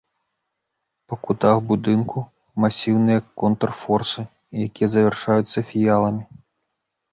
Па кутах будынку масіўныя контрфорсы, якія завяршаюцца фіяламі.